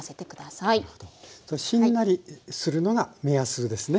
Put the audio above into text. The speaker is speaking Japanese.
しんなりするのが目安ですね。